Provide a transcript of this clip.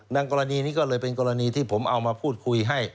กรณีนี้ก็เลยเป็นกรณีที่ผมเอามาพูดคุยให้